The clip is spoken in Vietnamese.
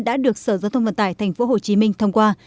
đã được sở giao thông vận tải tp hcm thông qua